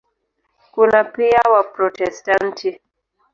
Kuna pia Waprotestanti.